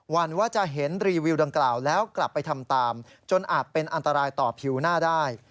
วันว่าจะเห็นรีวิวดังกล่าวแล้วกลับไปทำตามจนอาจเป็นอันตรายต่อผิวหน้าได้